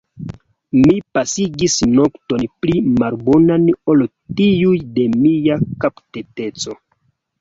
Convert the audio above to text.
Mi pasigis nokton pli malbonan ol tiuj de mia kaptiteco.